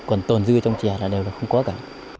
còn tồn dư trong chè là đều là không có cả